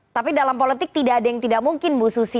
tapi dalam politik tidak ada yang tidak mungkin bu susi